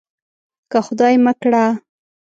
که خدای مه کړه.